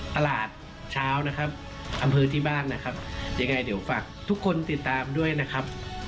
ตลาดเช้านะครับอำเภอที่บ้านนะครับยังไงเดี๋ยวฝากทุกคนติดตามด้วยนะครับ